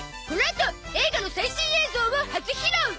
このあと映画の最新映像を初披露！